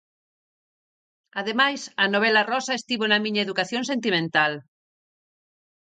Ademais, a novela rosa estivo na miña educación sentimental.